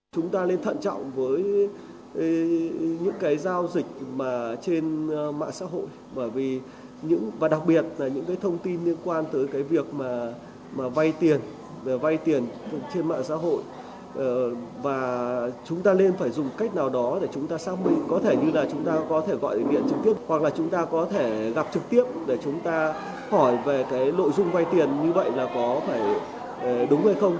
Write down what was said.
chúng ta hỏi về cái nội dung vay tiền như vậy là có phải đúng hay không